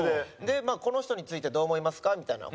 「この人についてどう思いますか？」みたいな。